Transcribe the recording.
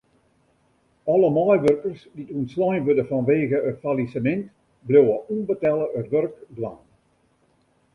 Alle meiwurkers dy't ûntslein wurde fanwegen it fallisemint bliuwe ûnbetelle it wurk dwaan.